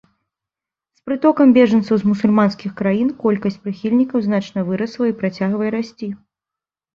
З прытокам бежанцаў з мусульманскіх краін колькасць прыхільнікаў значна вырасла і працягвае расці.